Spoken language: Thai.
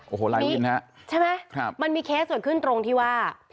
โอ้โหลายวินฮะใช่ไหมครับมันมีเคสเกิดขึ้นตรงที่ว่า